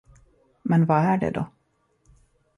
Men vad är det då?